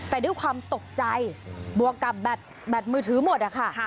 แต่ด้วยความตกใจบวกกับแบตมือถือหมดอะค่ะ